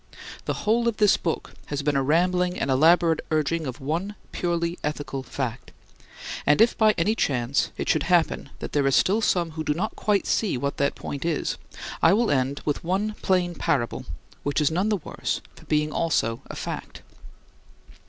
The whole of this book has been a rambling and elaborate urging of one purely ethical fact. And if by any chance it should happen that there are still some who do not quite see what that point is, I will end with one plain parable, which is none the worse for being also a fact.